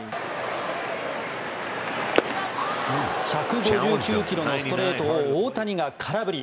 １５９キロのストレートを大谷が空振り。